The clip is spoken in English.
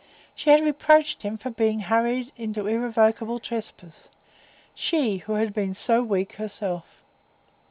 She had reproached him for being hurried into irrevocable trespass,—she, who had been so weak herself.